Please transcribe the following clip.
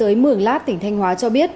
trên giới mường lát tỉnh thanh hóa cho biết